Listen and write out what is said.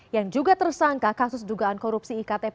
yang juga tersangka kasus dugaan korupsi iktp di kpk